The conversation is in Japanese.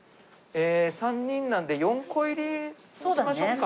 ３人なので４個入りにしましょうか。